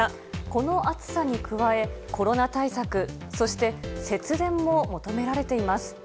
この暑さに加え、コロナ対策、そして節電も求められています。